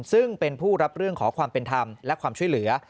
ซึ่งเป็นผู้รับเรื่องขอความเป็นธรรมและความช่วยเหลือ